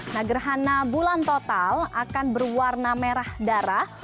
nah gerhana bulan total akan berwarna merah darah